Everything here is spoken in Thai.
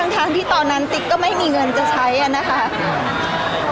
ทั้งที่ตอนนั้นติ๊กก็ไม่มีเงินจะใช้นะคะ